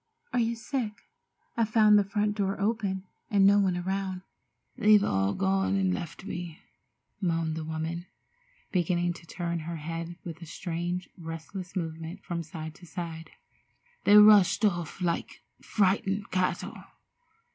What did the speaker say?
Are you sick? I found the front door open, and no one around." "They've all gone and left me," moaned the woman, beginning to turn her head with a strange, restless movement from side to side. "They rushed off like frightened cattle.